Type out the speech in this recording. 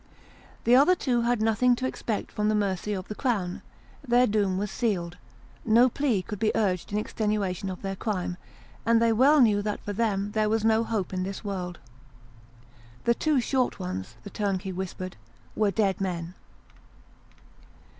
The other two had nothing to expect from the mercy of the Crown ; their doom was sealed ; no plea could be urged in extenuation of their crime, and they well knew that for them there was no hope in this world. " The two short ones," the turnkey whispered, " were dead men."